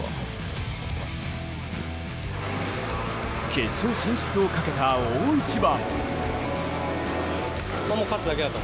決勝進出をかけた大一番。